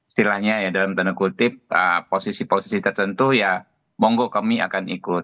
istilahnya ya dalam tanda kutip posisi posisi tertentu ya monggo kami akan ikut